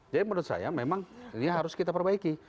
jadi menurut saya memang ini harus kita perbaiki